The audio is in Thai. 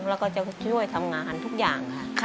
แล้วก็จะช่วยทำงานทุกอย่างค่ะ